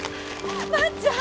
万ちゃん！